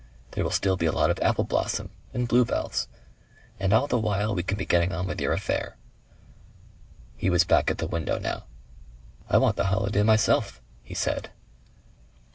There will still be a lot of apple blossom and bluebells.... And all the while we can be getting on with your affair." He was back at the window now. "I want the holiday myself," he said.